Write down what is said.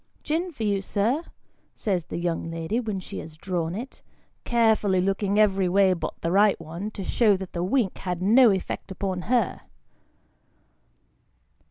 " Gin for you, sir ?" says the young lady when she has drawn it : carefully looking every way but the right one, to show that the wink had no effect upon her.